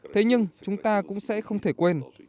thế nhưng chúng ta cũng sẽ không thể quên